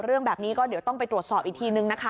เรื่องแบบนี้ก็เดี๋ยวต้องไปตรวจสอบอีกทีนึงนะคะ